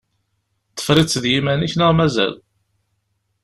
Tefriḍ-tt d yiman-ik neɣ mazal?